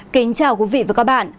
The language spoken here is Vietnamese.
kính chào quý vị và các bạn